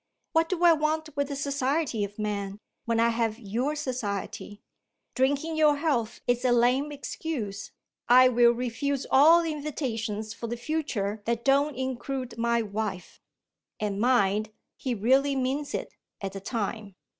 What do I want with the society of men, when I have your society? Drinking your health is a lame excuse. I will refuse all invitations for the future that don't include my wife.' And mind! he really means it, at the time.